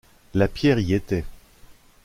La pierre y était.